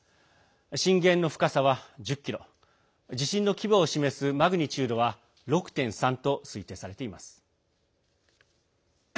震源の深さは１０ｋｍ地震の規模を示すマグニチュードは６．３と推定されています。